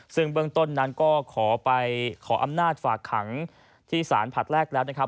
ซึ่งเบื้องต้นนั้นก็ขอไปขออำนาจฝากขังที่ศาลผลัดแรกแล้วนะครับ